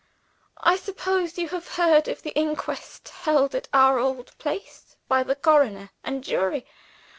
I suppose you have heard of the inquest held at our old place by the coroner and jury?